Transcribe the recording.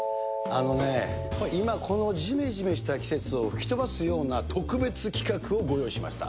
あのね、今このじめじめした季節を吹き飛ばすような特別企画をご用意しました。